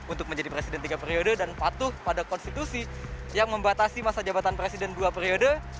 untuk menjadi presiden tiga periode dan patuh pada konstitusi yang membatasi masa jabatan presiden dua periode